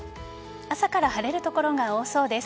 朝から晴れる所が多そうです。